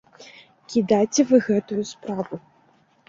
Кідайце вы гэтую справу.